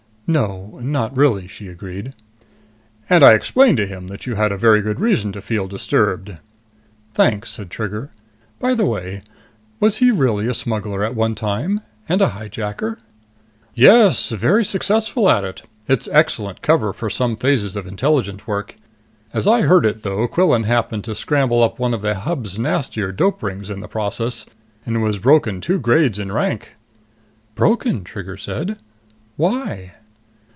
"No, not really," she agreed. "And I explained to him that you had a very good reason to feel disturbed." "Thanks," said Trigger. "By the way, was he really a smuggler at one time? And a hijacker?" "Yes very successful at it. It's excellent cover for some phases of Intelligence work. As I heard it, though, Quillan happened to scramble up one of the Hub's nastier dope rings in the process, and was broken two grades in rank." "Broken?" Trigger said. "Why?"